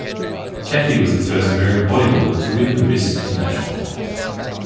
Cathey was the first American bodybuilder to win the Ms. International.